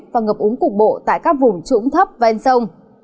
và ngập úng cục bộ tại các vùng trũng thấp và en sông